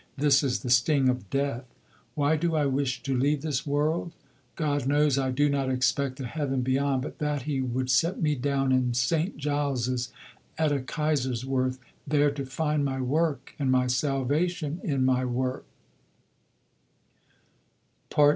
This is the sting of death. Why do I wish to leave this world? God knows I do not expect a heaven beyond, but that He would set me down in St. Giles's, at a Kaiserswerth, there to find my work and my salvation in my work."